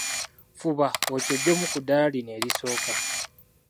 Fuba okyeggyeemu ku ddala lino erisooka.